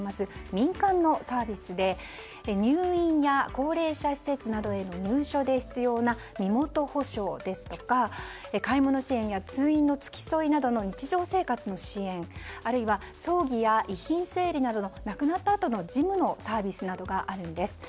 民間のサービスで入院や高齢者施設などへの入所で必要な身元保証ですとか買い物支援や通院の付き添いなどの日常生活の支援あるいは、葬儀や遺品整理などの亡くなったあとの事務のサービスなどがあるんです。